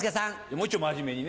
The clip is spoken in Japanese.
もういっちょ真面目にね。